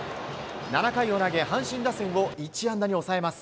７回を投げ、阪神打線を１安打に抑えます。